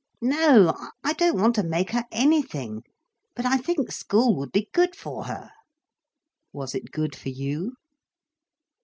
"No, I don't want to make her anything. But I think school would be good for her." "Was it good for you?"